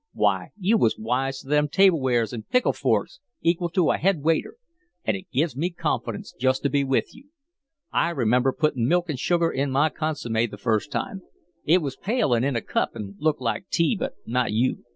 Why, you was wise to them tablewares and pickle forks equal to a head waiter, and it give me confidence just to be with you. I remember putting milk and sugar in my consomme the first time. It was pale and in a cup and looked like tea but not you.